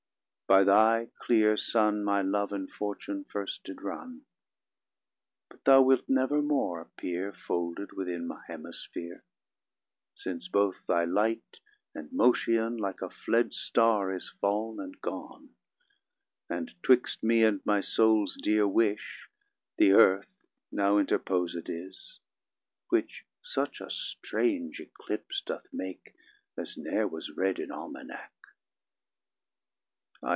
By thy clear Sun, My love and fortune first did run; 30 But thou wilt never more appear Folded within my hemisphere, Since both thy light and motion Like a fled star is fall'n and gone, And 'twixt me and my soul's dear wish The earth now interposed is, Which such a strange eclipse doth make, As ne'er was read in almanac.